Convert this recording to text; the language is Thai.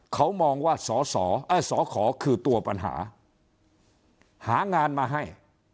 เขามองว่าสขคือตัวปัญหาหางานมาให้